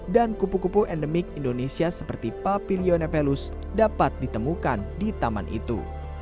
dan kupu kupu endemik indonesia seperti papilio nepelus dapat ditemukan di taman itu